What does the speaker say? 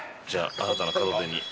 新たな門出。